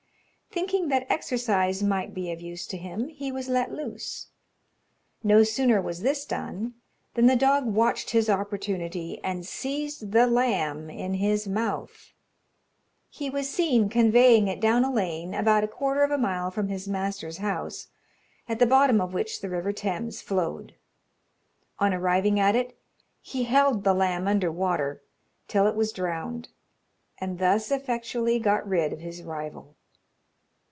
Thinking that exercise might be of use to him, he was let loose. No sooner was this done, than the dog watched his opportunity, and seized the lamb in his mouth. He was seen conveying it down a lane, about a quarter of a mile from his master's house, at the bottom of which the river Thames flowed. On arriving at it, he held the lamb under water till it was drowned, and thus effectually got rid of his rival.